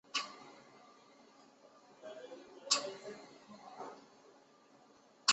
他亦是一个执业律师。